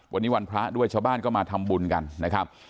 วันนี้วันพระด้วยชาวบ้านก็มาทำบุญกันนะครับ